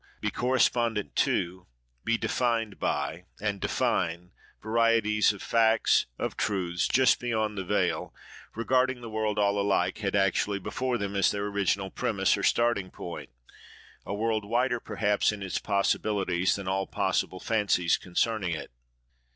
—be correspondent to, be defined by and define, varieties of facts, of truths, just "behind the veil," regarding the world all alike had actually before them as their original premiss or starting point; a world, wider, perhaps, in its possibilities than all possible fancies concerning it.